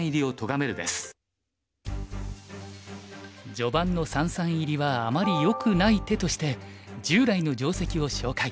序盤の三々入りはあまりよくない手として従来の定石を紹介。